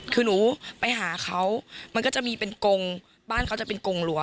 คือหนูไปหาเขามันก็จะมีเป็นกงบ้านเขาจะเป็นกงหลัว